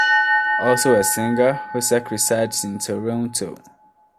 Also a singer, Hossack resides in Toronto.